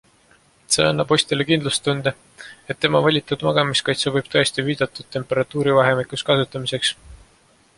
See annab ostjale kindlustunde, et tema valitud magamiskott sobib tõesti viidatud temperatuurivahemikus kasutamiseks.